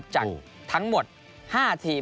จังทั้งหมด๕ทีม